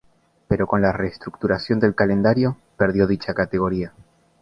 Pero con la reestructuración del calendario, perdió dicha categoría.